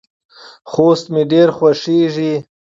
خوست مې ډیر خوښیږي.